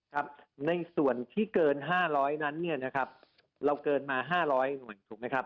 ครับในส่วนที่เกิน๕๐๐นั้นเนี่ยนะครับเราเกินมา๕๐๐หน่วยถูกไหมครับ